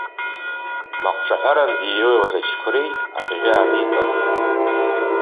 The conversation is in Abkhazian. Маҟҿаҳәаранӡа иҩеиуаз аџьықәреи абӷьы ааникылеит.